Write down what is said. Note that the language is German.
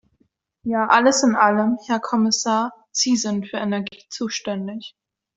Ja, alles in allem, Herr Kommissar, Sie sind für Energie zuständig.